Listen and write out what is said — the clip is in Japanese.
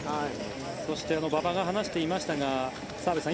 そして馬場が話していましたが澤部さん